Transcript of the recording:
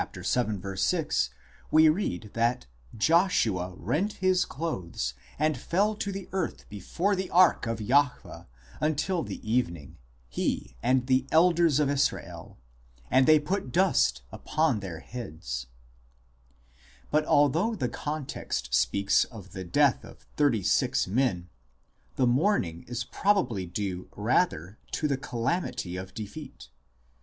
vii. 6 we read that Joshm rent his clothes and fell to the earth before the ark of Jahwe until the evening, he and the elders of Israel ; and put dust upon their heads" ; but although the contex 156 IMMORTALITY AND THE UNSEEN WORLD speaks of the death of thirty six men, the mourning is prob ably due rather to the calamity of defeat.